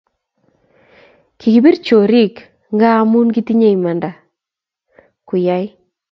Kikipir chorik ngamun kitinye imanda kuyai